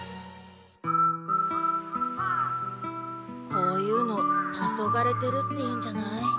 こういうの「たそがれてる」って言うんじゃない？